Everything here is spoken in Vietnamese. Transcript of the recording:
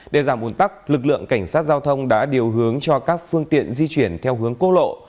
để giảm bùn tắc lực lượng cảnh sát giao thông đã điều hướng cho các phương tiện di chuyển theo hướng cô lộ